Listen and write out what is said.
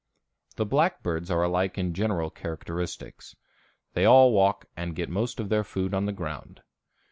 The blackbirds are alike in general characteristics. They all walk and get most of their food on the ground.